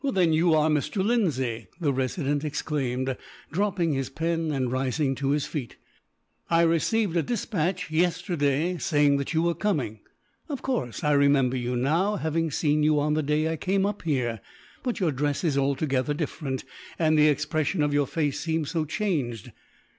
"Then you are Mr. Lindsay!" the Resident exclaimed, dropping his pen and rising to his feet. "I received a despatch, yesterday, saying that you were coming. Of course, I remember you now, having seen you on the day I came up here; but your dress is altogether different, and the expression of your face seems so changed."